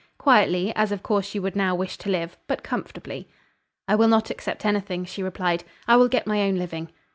Quietly; as of course you would now wish to live, but comfortably." "I will not accept anything," she replied. "I will get my own living."